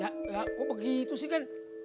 ya ya kok begitu sih gan